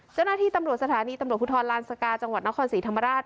เจ้าหน้าที่ตำรวจสถานีตำรวจภูทรลานสกาจังหวัดนครศรีธรรมราช